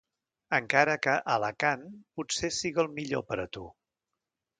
Encara que, Alacant... potser siga el millor per a tu.